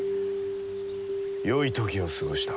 よい時を過ごした。